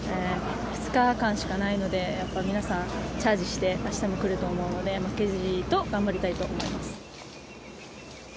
２日間しかないので皆さんチャージしてあしたもくると思うので負けじと頑張りたいと思います。